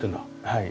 はい。